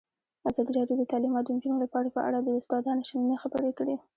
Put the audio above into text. ازادي راډیو د تعلیمات د نجونو لپاره په اړه د استادانو شننې خپرې کړي.